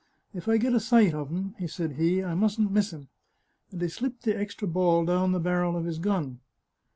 " If I get a sight of him," said he, " I mustn't miss him," and he slipped the extra ball down the barrel of his gun.